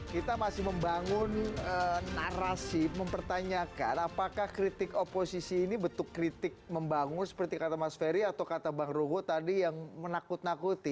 kita masih membangun narasi mempertanyakan apakah kritik oposisi ini bentuk kritik membangun seperti kata mas ferry atau kata bang ruhut tadi yang menakut nakuti